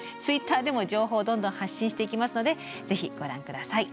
Ｔｗｉｔｔｅｒでも情報をどんどん発信していきますので是非ご覧ください。